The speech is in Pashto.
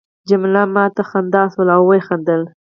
جميله ما ته مسکی شول او وخندل.